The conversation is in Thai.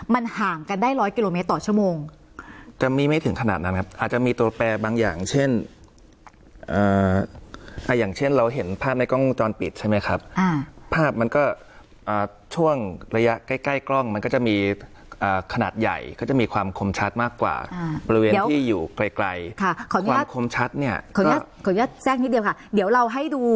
มันห่างกันได้ร้อยกิโลเมตรต่อชั่วโมงจะมีไม่ถึงขนาดนั้นครับอาจจะมีตัวแปรบางอย่างเช่นอย่างเช่นเราเห็นภาพในกล้องวงจรปิดใช่ไหมครับภาพมันก็ช่วงระยะใกล้ใกล้กล้องมันก็จะมีขนาดใหญ่ก็จะมีความคมชัดมากกว่าบริเวณที่อยู่ไกลความคมชัดเนี่ยขออนุญาตแทรกนิดเดียวค่ะเดี๋ยวเราให้ดู